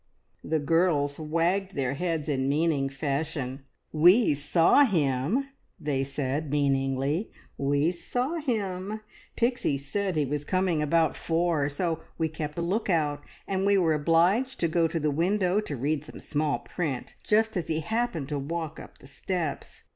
The girls wagged their heads in meaning fashion. "We saw him!" they said meaningly "we saw him! Pixie said he was coming about four, so we kept a lookout, and were obliged to go to the window to read some small print, just as he happened to walk up the steps.